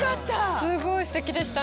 すごいすてきでしたね。